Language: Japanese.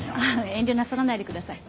遠慮なさらないでください。